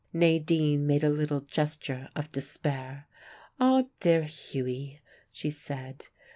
Nadine made a little gesture of despair. "Ah, dear Hughie," she said.